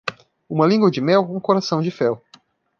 Uma língua de mel? um coração de fel